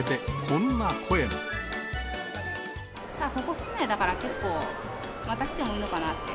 ここ、室内だから結構、また来てもいいのかなって。